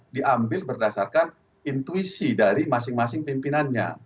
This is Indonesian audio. diambil berdasarkan intuisi dari masing masing pimpinannya